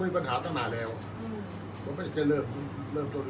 อันไหนที่มันไม่จริงแล้วอาจารย์อยากพูด